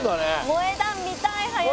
萌え断見たい早く。